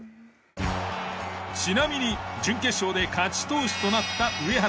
ちなみに準決勝で勝ち投手となった上原。